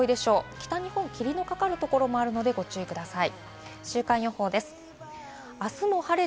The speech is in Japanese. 北日本、霧のかかるところもあるのでご注意ください。